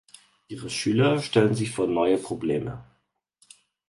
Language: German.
Ihre Schüler stellen sie vor neue Probleme.